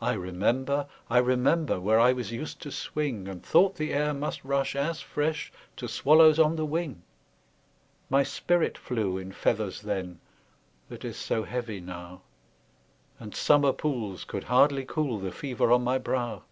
I remember, I remember, Where I was used to swing, And thought the air must rush as fresh To swallows on the wing; My spirit flew in feathers then, That is so heavy now, And summer pools could hardly cool The fever on my brow!